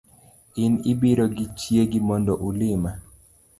In ibiro gi chiegi mondo ulima